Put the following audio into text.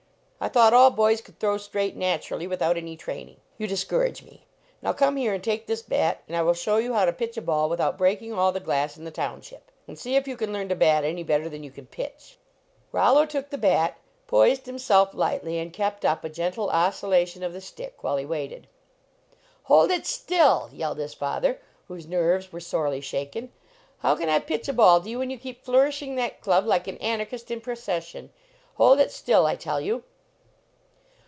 I thought all boys could throw straight naturally without any training. You dis courage me. Now come here and take this bat, and I will show you how to pitch a ball without breaking all the glass in the township. And see if you can learn to bat any better than you can pitch." 71 LEARNING TO_PLAY Rollo took the bat, poised himself lightly, and kept up a gentle oscillation of the stick while he waited. "Hold it still!" yelled his father, whose nerves were sorely shaken. " How can I pitch a ball to you when you keep flourishing that club like an anarchist in procession. Hold it still, I tell you!"